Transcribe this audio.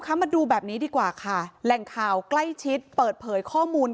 มาดูแบบนี้ดีกว่าค่ะแหล่งข่าวใกล้ชิดเปิดเผยข้อมูล